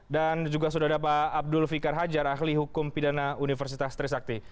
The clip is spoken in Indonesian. dan juga sudah ada pak abdul fikar hajar ahli hukum pidana universitas trisakti